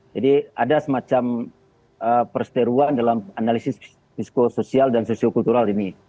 jadi ada semacam perseteruan dalam analisis fiskosoial dan sosio kultural ini